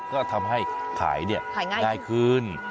ก็ทำให้ขายง่ายขึ้น